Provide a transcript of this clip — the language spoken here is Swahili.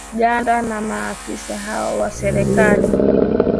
ngana na maafisa hao wa serikali